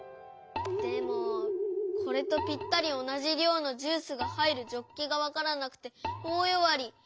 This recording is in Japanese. でもこれとぴったりおなじりょうのジュースが入るジョッキがわからなくておおよわり。